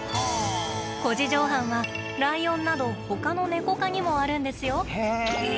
虎耳状斑は、ライオンなどほかのネコ科にもあるんですよ。